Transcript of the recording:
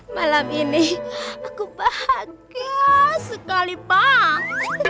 malam ini aku bahagia sekali pak